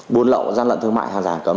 buôn lậu gian lận thương mại hàng giả hàng cấm